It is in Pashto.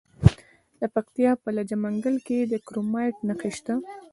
د پکتیا په لجه منګل کې د کرومایټ نښې شته.